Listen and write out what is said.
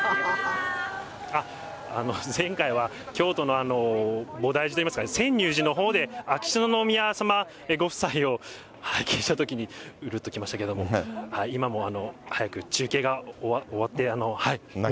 あの、前回は京都の菩提寺といいますかね、せんにゅう寺のほうで秋篠宮さまご夫妻を拝見したときに、うるっと来ましたけども、今も早く中継が終わって。